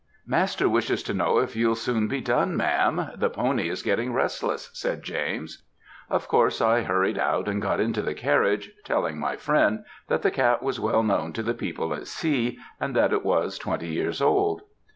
"'Master wishes to know if you'll soon be done, ma'am? The pony is getting restless,' said James. "Of course, I hurried out, and got into the carriage, telling my friend that the cat was well known to the people at C., and that it was twenty years old.